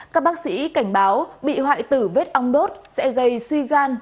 các bác sĩ cảnh báo bị hoại tử vết ong đốt sẽ gây suy gan